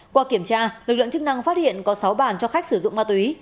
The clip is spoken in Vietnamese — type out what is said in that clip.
qua kiểm tra lực lượng chức năng phát hiện có sáu bàn cho khách sử dụng ma túy